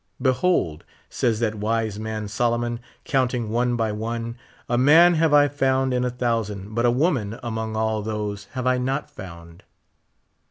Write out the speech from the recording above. '• Behold,'' says that wise man, Solomon, counting one by one, ''a man have I found in a thousand, but a woman among all those have I not found."